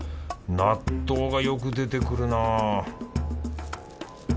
納豆がよく出てくるな